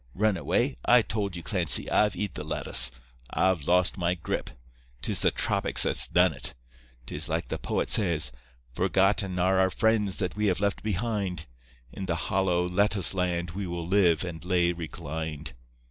Run away? I told you, Clancy, I've eat the lettuce. I've lost my grip. 'Tis the tropics that's done it. 'Tis like the poet says: "Forgotten are our friends that we have left behind; in the hollow lettuce land we will live and lay reclined."